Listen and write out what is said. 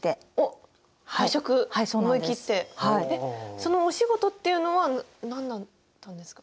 そのお仕事っていうのは何だったんですか？